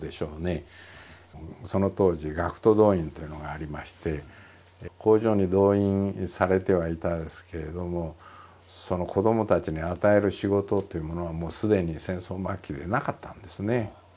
その当時学徒動員というのがありまして工場に動員されてはいたんですけれどもその子どもたちに与える仕事というものはもう既に戦争末期でなかったんですね。